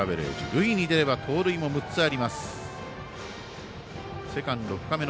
塁に出れば盗塁も６つあります。